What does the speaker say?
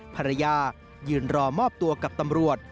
ภรรยายืนรอมอบตัวกับตำรวจ